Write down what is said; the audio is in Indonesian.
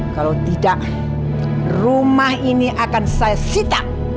kalau tidak rumah ini akan saya sita